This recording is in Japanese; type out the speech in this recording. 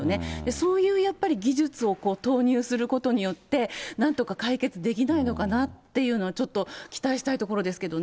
そういうやっぱり技術を投入することによって、なんとか解決できないのかなっていうの、ちょっと期待したいところですけどね。